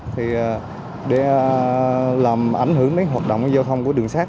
thì để làm ảnh hưởng mấy hoạt động giao thông của đường sắt